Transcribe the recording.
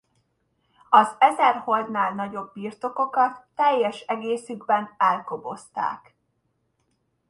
Az ezer holdnál nagyobb birtokokat teljes egészükben elkobozták.